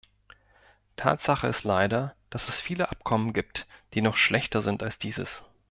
Tatsache ist leider, dass es viele Abkommen gibt, die noch schlechter sind als dieses.